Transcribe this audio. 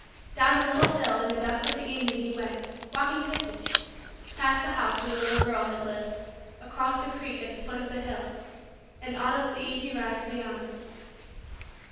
Down the little hill in the dusk of the evening he went, walking quickly; past the house where the little girl had lived; across the creek at the foot of the hill; and on up the easy rise beyond.